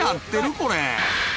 これ。